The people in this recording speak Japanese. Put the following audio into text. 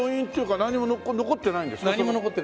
何も残ってないですね。